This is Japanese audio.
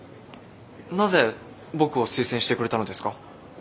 なぜ僕を推薦してくれたのですか？